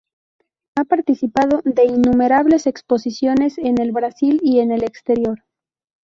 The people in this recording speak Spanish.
Ha participado de innumerables exposiciones en el Brasil y en el exterior.